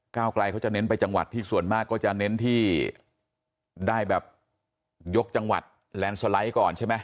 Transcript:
เก้าไกรเขาจะเน้นไปจังหวัดที่ส่วนมาก